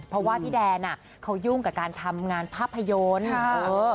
เพราะว่าพี่แดนอ่ะเขายุ่งกับการทำงานภาพยนตร์